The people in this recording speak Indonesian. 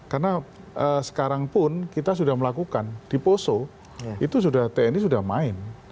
karena sekarang pun kita sudah melakukan di poso tni sudah main